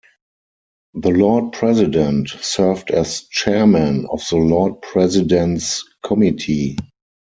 The Lord President served as chairman of the Lord President's Committee.